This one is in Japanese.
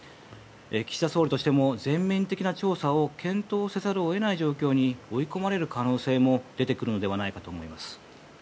岸田総理としても全面的な調査を検討せざるを得ない状況に追い込まれる可能性も出てくるのではないかと思います。